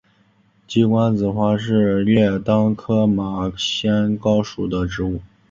鸡冠子花是列当科马先蒿属的植物。